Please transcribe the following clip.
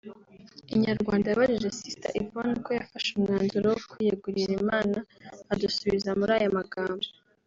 Inyarwanda yabajije Sister Yvonne uko yafashe umwanzuro wo kwiyegurira Imana adusubiza muri aya magambo